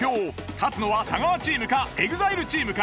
勝つのは太川チームかＥＸＩＬＥチームか？